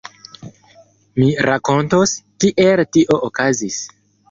Mi rakontos, kiel tio okazis.